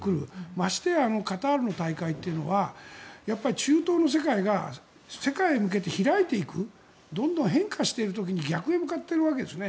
ましてやカタールの大会というのはやっぱり中東の世界が世界に向けて開いていくどんどん変化している時に逆に向かっているわけですね。